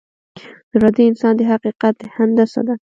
زړه د انسان د حقیقت هندسه ده.